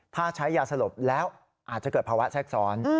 ถ้าใช้ยาสลบแล้วอาจจะเกิดภาวะแทรกซ้อน